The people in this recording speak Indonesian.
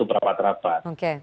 beberapa terapat oke